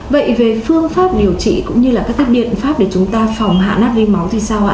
vậy về phương pháp điều trị cũng như là các cách biện pháp để chúng ta phòng hạ nát ri máu thì sao ạ